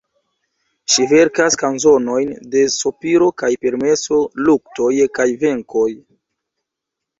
Ŝi verkas kanzonojn de sopiro kaj permeso, luktoj kaj venkoj.